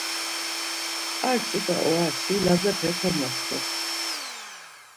Ar ç̌ut̆a oraşi Lazepe komoxtes.